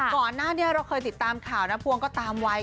ก่อนหน้านี้เราเคยติดตามข่าวน้าพวงก็ตามไว้